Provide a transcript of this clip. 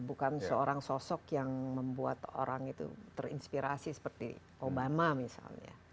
bukan seorang sosok yang membuat orang itu terinspirasi seperti obama misalnya